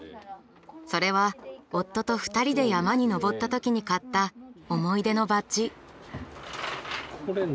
それは夫と２人で山に登ったときに買った思い出のバッジ。